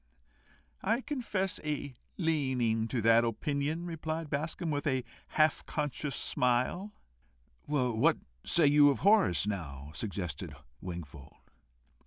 "I confess a leaning to that opinion," replied Bascombe, with a half conscious smile. "What do you say of Horace, now?" suggested Wingfold.